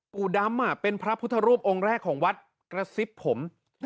ปู่ดำเป็นพระพุทธรูปองค์แรกของวัดกระซิบผม